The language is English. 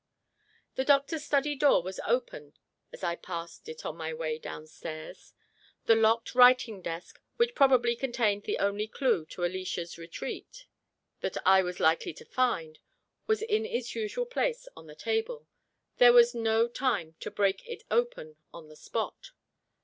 The doctor's study door was open as I passed it on my way downstairs. The locked writing desk, which probably contained the only clew to Alicia's retreat that I was likely to find, was in its usual place on the table. There was no time to break it open on the spot.